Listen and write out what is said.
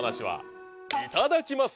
いただきます！